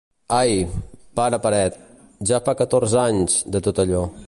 Ai, pare paret, ja fa catorze anys, de tot allò.